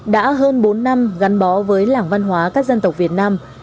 đã hơn bốn năm gắn bó với làng văn hóa các dân tộc việt nam